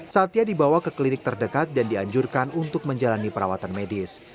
satya dibawa ke klinik terdekat dan dianjurkan untuk menjalani perawatan medis